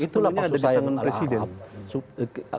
itu apa susah yang kita harapkan